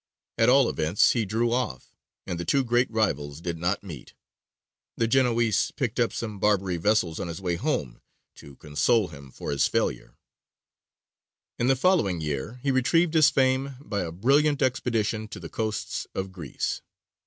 At all events he drew off, and the two great rivals did not meet. The Genoese picked up some Barbary vessels on his way home to console him for his failure. [Illustration: ANDREA DORIA.] In the following year he retrieved his fame by a brilliant expedition to the coasts of Greece.